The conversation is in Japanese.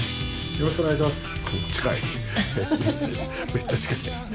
よろしくお願いします。